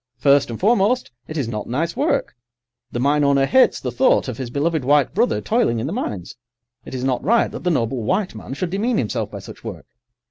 First and foremost, it is not nice work; the mine owner hates the thought of his beloved white brother toiling in the mines. It is not right that the noble white man should demean himself by such work.